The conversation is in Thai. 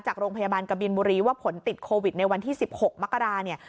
จากโรงพยาบาลกบินบุรีว่าผลติดโควิดในวันที่๑๖มกราเนี่ย